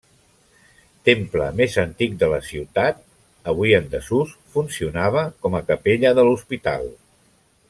Temple més antic de la ciutat, avui en desús, funcionava com a capella de l'hospital.